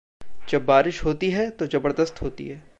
जब बारिश होती है, तो ज़बरदस्त होती है।